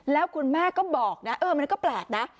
แล้วคุณแม่ก็บอกนะเออมันก็แปลกนะ